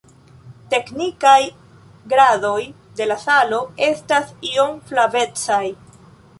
Teknikaj gradoj de la salo estas iom flavecaj.